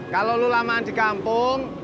kalau lu lamaan di kampung